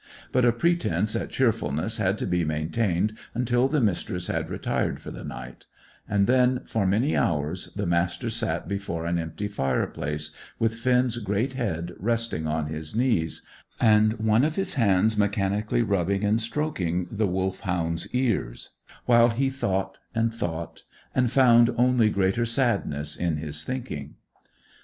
But a pretence at cheerfulness had to be maintained until the Mistress had retired for the night; and then, for many hours, the Master sat before an empty fire place, with Finn's great head resting on his knees, and one of his hands mechanically rubbing and stroking the Wolfhound's ears, while he thought, and thought, and found only greater sadness in his thinking.